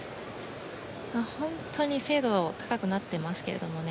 本当に精度が高くなってますけどもね。